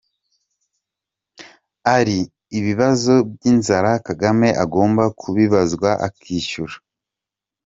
-Ari ibibazo by’inzara, Kagame agomba kubibazwa akishyura.